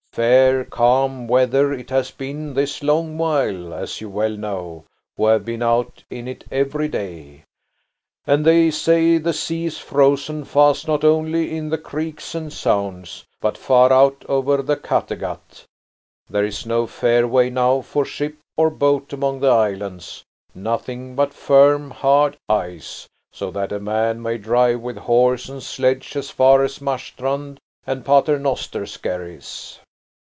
Fair, calm weather it has been this long while, as you well know, who have been out in it every day; and they say the sea is frozen fast not only in the creeks and sounds, but far out over the Cattegat. There is no fairway now for ship or boat among the islands, nothing but firm, hard ice, so that a man may drive with horse and sledge as far as Marstrand and Paternoster Skerries."